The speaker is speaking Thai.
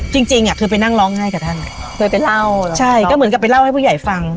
จริงจริงอ่ะคือไปนั่งร้องไห้กับท่านเคยไปเล่าเหรอใช่ก็เหมือนกับไปเล่าให้ผู้ใหญ่ฟัง